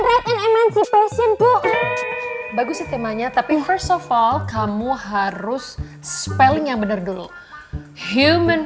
right and emancipation bu bagus temanya tapi first of all kamu harus spelling yang bener dulu human